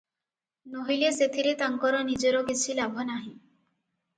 ନୋହିଲେ ସେଥିରେ ତାଙ୍କର ନିଜର କିଛିଲାଭ ନାହିଁ ।